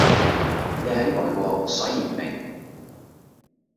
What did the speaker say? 你喺外國所以唔明